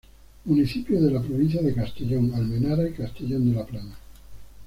Municipios de la provincia de Castellón: Almenara y Castellón de la Plana.